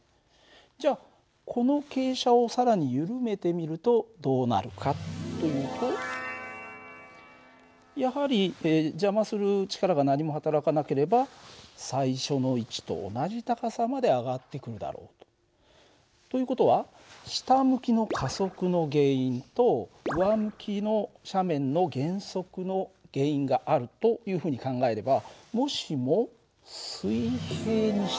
じゃあこの傾斜を更に緩めてみるとどうなるかというとやはり邪魔する力が何もはたらかなければ最初の位置と同じ高さまで上がってくるだろうと。という事は下向きの加速の原因と上向きの斜面の減速の原因があるというふうに考えればもしも水平にしてしまうとどうなるか。